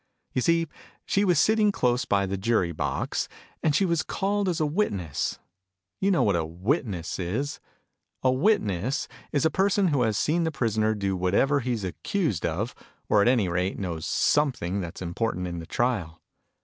You see, she was sitting close by the Jury box : and she was called as a witness. You know what a " witness " is ? A " witness " is a person who has seen the prisoner do whatever lie's accused of, or at any rate knows something that's important in the trial.